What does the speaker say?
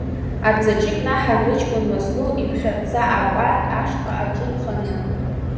Аҭӡаҿы иканаҳан рыҷкәын Мазлоу иԥхьарца акәакь ашҟа аҿы рханы.